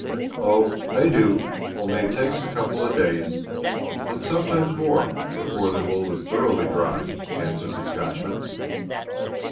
"Oh, they do; only it takes a couple of days and sometimes more before their wool is thoroughly dry," answered the Scotchman.